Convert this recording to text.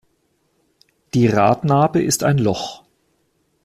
Die Radnabe ist ein Loch.